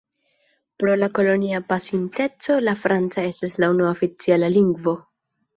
Pro la kolonia pasinteco la franca estas la unua oficiala lingvo.